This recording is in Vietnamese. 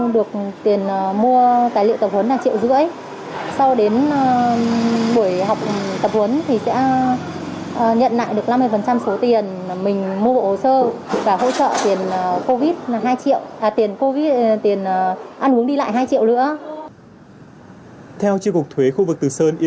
được tiền mua tài liệu tập huấn là một triệu rưỡi